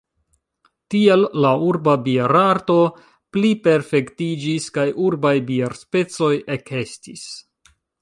Tiel la urba bierarto pliperfektiĝis kaj urbaj bierspecoj ekestis.